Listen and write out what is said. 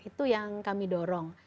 itu yang kami dorong